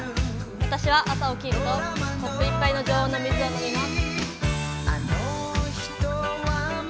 私は朝起きるとコップ１杯の常温の水を飲みます。